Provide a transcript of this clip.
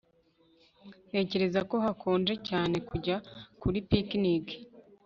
Ntekereza ko hakonje cyane kujya kuri picnic